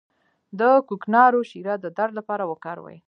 د کوکنارو شیره د درد لپاره وکاروئ